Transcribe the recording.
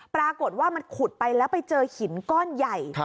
ปรากฏว่ามันขุดไปแล้วไปเจอหินก้อนใหญ่